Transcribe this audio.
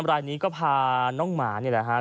รายนี้ก็พาน้องหมานี่แหละครับ